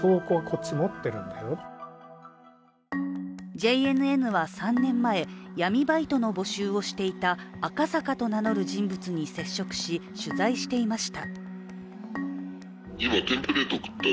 ＪＮＮは３年前、闇バイトの募集をしていた赤坂と名乗る人物に接触し取材していました。